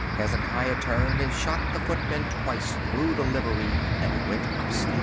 Hezekiah turned and shot the footman twice through the livery and went upstairs.